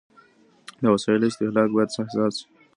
د وسايلو استهلاک بايد حساب سي.